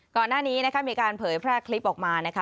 ก่อนหน้านี้นะคะมีการเผยแพร่คลิปออกมานะคะ